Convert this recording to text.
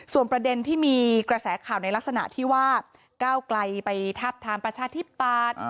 ส่วนประเด็นที่มีกระแสข่าวในลักษณะที่ว่าก้าวไกลไปทาบทามประชาธิปัตย์